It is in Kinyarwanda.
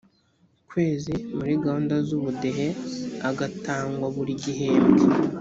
kwezi muri gahunda z ubudehe agatangwa buri gihembwe